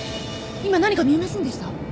今何か見えませんでした？